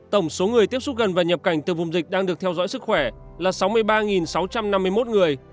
tổng số người tiếp xúc gần và nhập cảnh từ vùng dịch đang được theo dõi sức khỏe là sáu mươi ba sáu trăm năm mươi một người